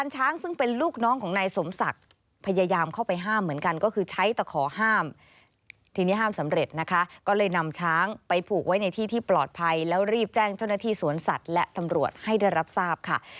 ช้างไปผูกไว้ในที่ที่ปลอดภัยแล้วรีบแจ้งเจ้าหน้าที่สวนสัตว์และตำรวจให้ได้รับทราบค่ะ